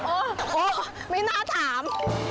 โอ้โหไม่น่าถาม